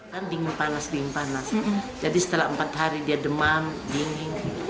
kan dingin panas dingin panas jadi setelah empat hari dia demam dingin